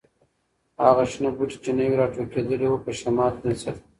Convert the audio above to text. هغه شنه بوټي چې نوي راټوکېدلي وو، په شمال کې نڅېدل.